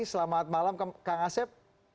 selamat malam kang asep